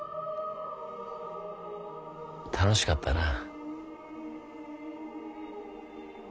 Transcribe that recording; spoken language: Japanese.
楽しかったなぁ。